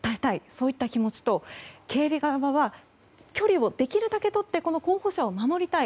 そういった気持ちと警備側は距離をできるだけ取って候補者を守りたい。